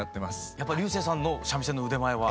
やっぱ彩青さんの三味線の腕前は。